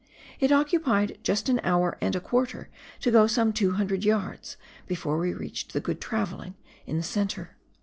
It occupied just an hour and a quarter to go some 200 yards before we reached the good travellino: in the centre.